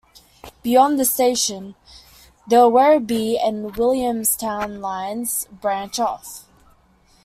Beyond the station, the Werribee and Williamstown lines branch off.